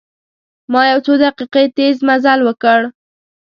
ما یو څو دقیقې تیز مزل وکړ.